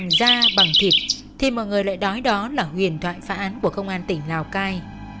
khi ma xeo trứng bằng da bằng thịt thì mọi người lại đói đó là huyền thoại phá án của công an tỉnh lào cai